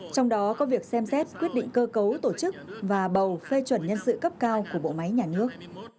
trong đó có việc xem xét quyết định cơ cấu tổ chức và bầu phê chuẩn nhân sự cấp cao của bộ máy nhà nước